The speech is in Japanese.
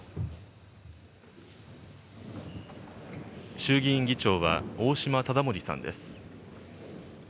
衆議院議長は、大島理森さんです。